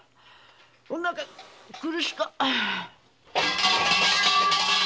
おなか苦しか。